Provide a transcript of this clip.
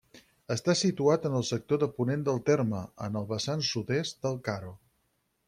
Està situat en el sector de ponent del terme, en el vessant sud-est del Caro.